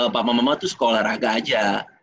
papa mama tuh sekolah olahraga aja